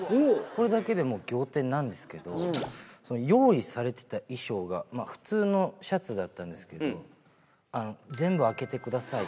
これだけでも仰天なんですけど用意されてた衣装が普通のシャツだったんですけど。って言われて。